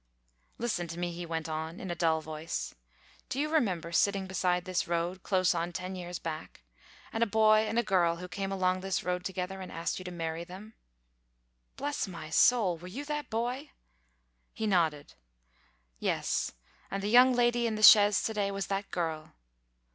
"Listen to me," he went on in a dull voice; "do you remember sitting beside this road, close on ten years back? And a boy and girl who came along this road together and asked you to marry them?" "Bless my soul! Were you that boy?" He nodded. "Yes: and the young lady in the chaise to day was that girl.